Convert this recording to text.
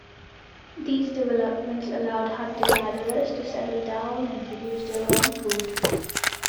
These developments allowed hunter-gatherers to settle down and produce their own food.